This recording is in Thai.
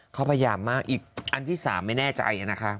เขาประหยับมากอีกอันที่๓ไม่แน่ใจอะนะคะ